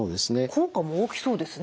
効果も大きそうですね。